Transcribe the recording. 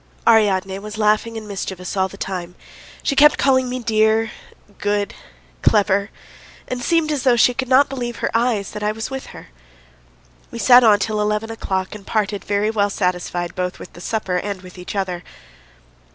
Ariadne was laughing and mischievous all the time; she kept calling me "dear," "good," "clever," and seemed as though she could not believe her eyes that I was with her. We sat on till eleven o'clock, and parted very well satisfied both with the supper and with each other.